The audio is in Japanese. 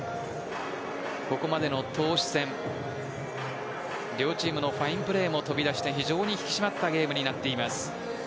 ここまでの投手戦両チームのファインプレーも飛び出して非常に引き締まったゲームになっています。